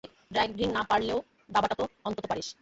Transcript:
Driving না পারলেও দাবাটা তো অন্তত পারিস।